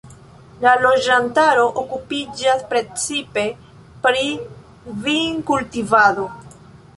La loĝantaro okupiĝas precipe pri vinkultivado.